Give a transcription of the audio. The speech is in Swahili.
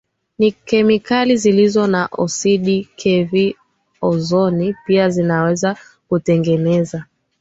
na kemikali zilizo na oksidi kv ozoni pia zinaweza kutengeneza